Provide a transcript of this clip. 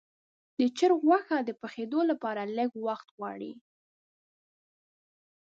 د چرګ غوښه د پخېدو لپاره لږ وخت غواړي.